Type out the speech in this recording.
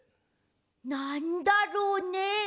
なんだろうね？